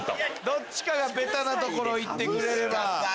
どっちかがベタなところ行ってくれれば。